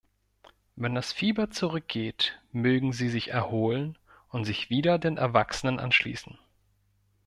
Wenn das Fieber zurückgeht, mögen sie sich erholen und sich wieder den Erwachsenen anschließen.